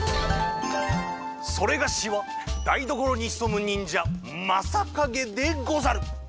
それがしはだいどころにひそむにんじゃマサカゲでござる！